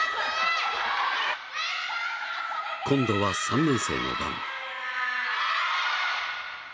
今度は３年生の番。